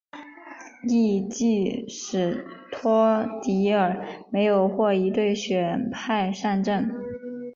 翌季史托迪尔没有获一队选派上阵。